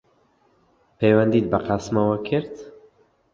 پەیوەندیت بە قاسمەوە کرد؟